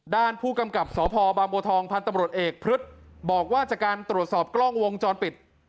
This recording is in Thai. ด้านผู้กำกับสพบางบัวทองพันธ์ตำรวจเอกพฤษบอกว่าจากการตรวจสอบกล้องวงจรปิด